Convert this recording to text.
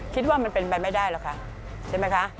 คิดว่ามันเป็นไปไม่ได้หรอกค่ะใช่ไหมคะ